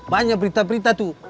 banyak berita berita tuh